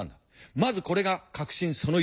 まずこれが確信その１。